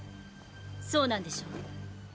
そうなんでしょ？